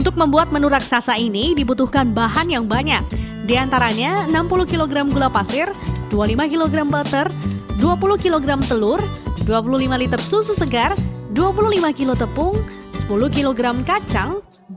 dua puluh kg telur dua puluh lima liter susu segar dua puluh lima kg tepung sepuluh kg kacang